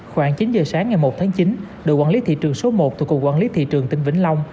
khoảng chín giờ sáng ngày một tháng chín đội quản lý thị trường số một thuộc cục quản lý thị trường tỉnh vĩnh long